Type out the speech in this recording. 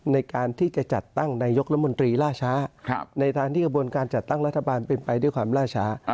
ในการที่จะจัดตั้งนายกรัฐมนตรีล่าช้าในทางที่กระบวนการจัดตั้งรัฐบาลเป็นไปด้วยความล่าช้า